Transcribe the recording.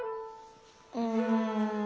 うん。